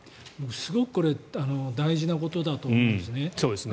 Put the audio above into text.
すごくこれ大事なことだと思うんですよね。